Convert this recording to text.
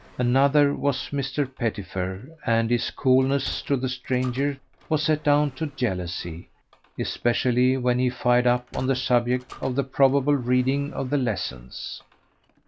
Another was Mr. Petifer, and his coolness to the stranger was set down to jealousy, especially when he fired up on the subject of the probable reading of the lessons.